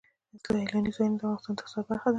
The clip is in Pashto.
سیلانی ځایونه د افغانستان د اقتصاد برخه ده.